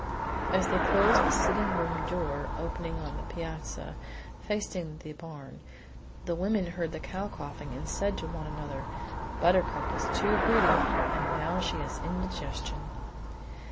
As they closed the sitting room door opening on the piazza facing the barn, the women heard the cow coughing and said to one another: "Buttercup was too greedy, and now she has indigestion."